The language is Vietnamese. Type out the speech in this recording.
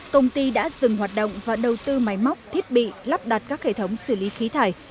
công ty đã dừng hoạt động và đầu tư máy móc thiết bị lắp đặt các hệ thống xử lý khí thải